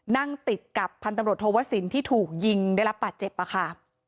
นั่งติดกับพันตำรวจโทวสินที่ถูกยิงได้รับบาดเจ็บค่ะ